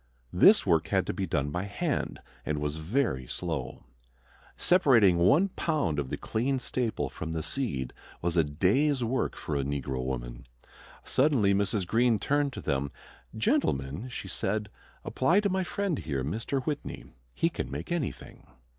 This work had to be done by hand and was very slow. Separating one pound of the clean staple from the seed was a day's work for a negro woman. Suddenly Mrs. Greene turned to them. "Gentlemen," she said, "apply to my friend here, Mr. Whitney. He can make anything."